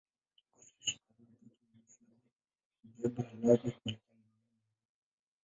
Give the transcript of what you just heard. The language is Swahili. Kwa spishi kadhaa upepo hubeba lava kuelekea mmea mwingine.